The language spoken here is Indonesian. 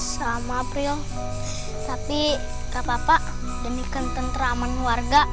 sama pril tapi gapapa demi kenten teraman warga